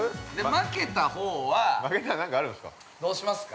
◆負けたらなんかあるんすか。